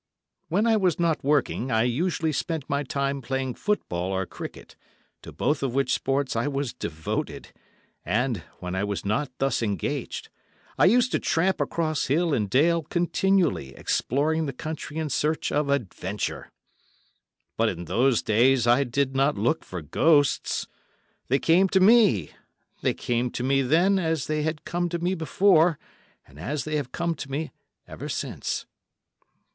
When I was not working, I usually spent my time playing football or cricket, to both of which sports I was devoted, and, when I was not thus engaged, I used to tramp across hill and dale continually exploring the country in search of adventure. But in those days I did not look for ghosts—they came to me; they came to me then, as they had come to me before, and as they have come to me ever since.